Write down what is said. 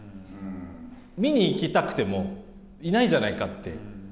見に行きたくてもいないんじゃないかって。